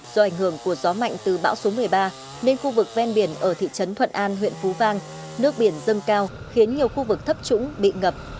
do ảnh hưởng của gió mạnh từ bão số một mươi ba nên khu vực ven biển ở thị trấn thuận an huyện phú vang nước biển dâng cao khiến nhiều khu vực thấp trũng bị ngập